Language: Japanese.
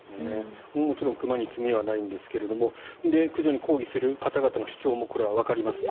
もちろん熊に罪はないんですが駆除に抗議する方々の主張もこれはわかります。